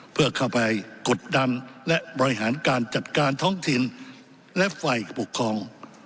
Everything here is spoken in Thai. เพื่อเข้าไปกดดันและบริหารการจัดการท้องถิ่นและฝ่ายปกครอง